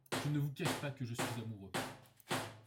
Je ne vous cache pas que je suis amoureux.